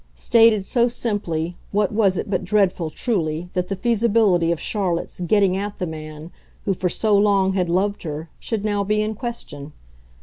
Stated so simply, what was it but dreadful, truly, that the feasibility of Charlotte's "getting at" the man who for so long had loved her should now be in question?